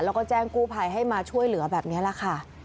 แล้วก็แจ้งกู้ภัยให้มาช่วยเหลือแบบนี้แหละค่ะ